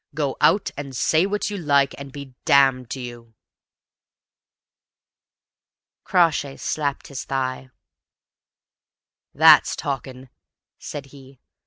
Go out and say what you like, and be damned to you!" Crawshay slapped his thigh. "That's talking!" said he.